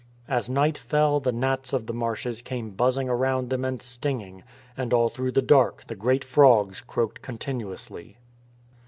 As night fell the gnats of the marshes came buzzing around them and stinging, and all through the dark the great frogs croaked continuously.